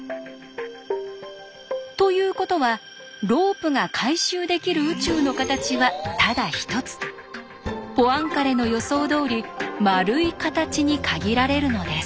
ということはロープが回収できる宇宙の形はただ一つポアンカレの予想どおり丸い形に限られるのです。